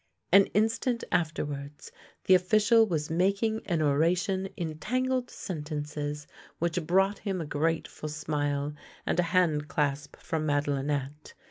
An instant afterwards the official was making an oration in tangled sentences which brought him a grateful smile and a hand clasp from Madelinette.